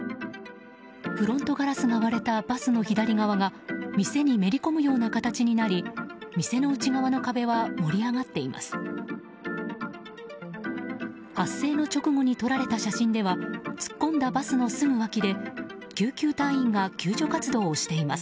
フロントガラスが割れたバスの左側が店にめり込むような形になり店の内側の壁は盛り上がっています。